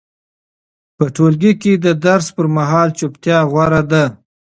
په ټولګي کې د درس پر مهال چوپتیا غوره ده.